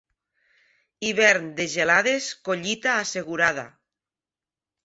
Hivern de gelades, collita assegurada.